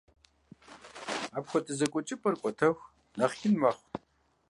Апхуэдэ зэгуэкӏыпӏэхэр кӏуэтэху нэхъ ин мэхъу.